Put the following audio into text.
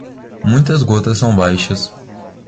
Muitas gotas são baixas.